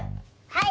はい！